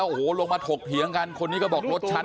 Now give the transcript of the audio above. โอ้โหลงมาถกเถียงกันคนนี้ก็บอกรถฉัน